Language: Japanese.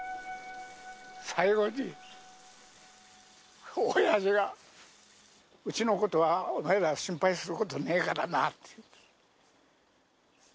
最後に、おやじが、うちのことはお前ら心配することねぇからなって。